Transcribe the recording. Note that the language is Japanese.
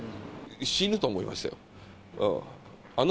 死ぬと思いましたよ。